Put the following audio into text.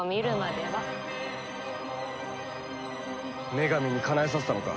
女神にかなえさせたのか。